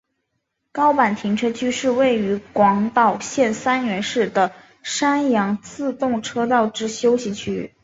高坂停车区是位于广岛县三原市的山阳自动车道之休息区。